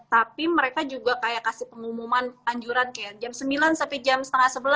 tapi mereka juga kayak kasih pengumuman anjuran kayak jam sembilan sampai jam setengah sebelas